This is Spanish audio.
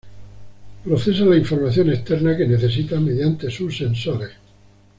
Procesa la información externa que necesita mediante sus sensores.